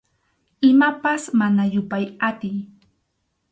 Imapas mana yupay atiy.